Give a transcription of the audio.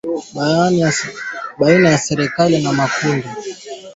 baina ya serikali na kundi la waasi walioungwa mkono na Marekani